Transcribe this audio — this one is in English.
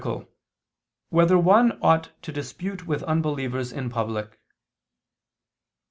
7] Whether One Ought to Dispute with Unbelievers in Public?